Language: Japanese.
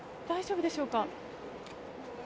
大丈夫でしょうか。